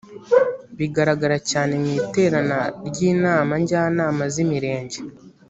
bigaragara cyane mu iterana ry inama njyanama z imirenge